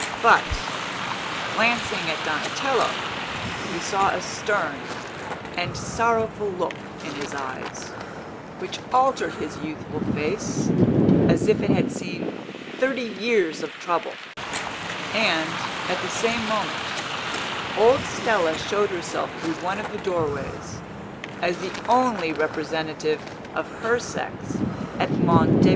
But, glancing at Donatello, he saw a stern and sorrowful look in his eyes, which altered his youthful face as if it had seen thirty years of trouble; and, at the same moment, old Stella showed herself through one of the doorways, as the only representative of her sex at Monte Beni.